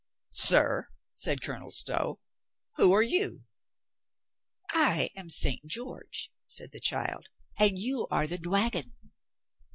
"Sir," said Colonel Stow, "who are you?" "I am St. George," said the child, "and you are the dwagon."